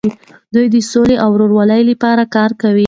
دوی د سولې او ورورولۍ لپاره کار کوي.